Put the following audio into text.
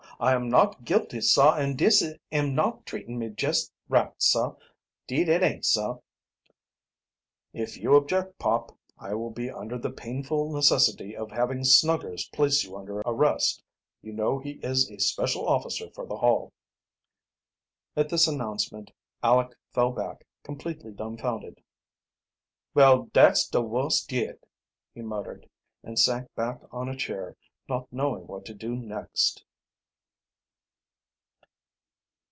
I am not guilty, sah, an' dis am not treatin' me jest right, sah, 'deed it aint, sah." "If you object, Pop, I will be under the painful necessity of having Snuggers place you under arrest. You know he is a special officer for the Hall." At this announcement Aleck fell back completely dumfounded. "Well, dat's de wust yet!" he muttered, and sank back on a chair, not knowing what to do next.